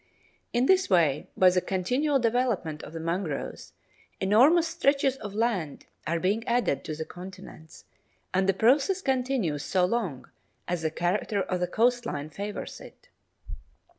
In this way, by the continual development of the mangroves, enormous stretches of land are being added to the continents, and the process continues so long as the character of the coast line favours it.